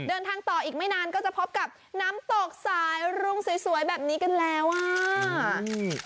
เดินทางต่ออีกไม่นานก็จะพบกับน้ำตกสายรุ้งสวยแบบนี้กันแล้วอ่ะ